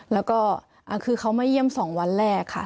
แล้วก็คือเขามาเยี่ยม๒วันแรกค่ะ